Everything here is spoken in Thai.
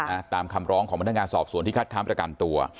ตามคำร้องของพนักงานสอบสวนที่คัดค้านประกันตัว